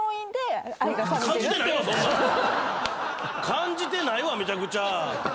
感じてないわめちゃくちゃ！